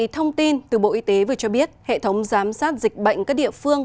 thông tin từ bộ y tế vừa cho biết hệ thống giám sát dịch bệnh các địa phương